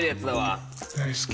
大好き。